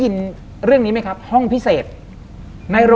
คุณลุงกับคุณป้าสองคนนี้เป็นใคร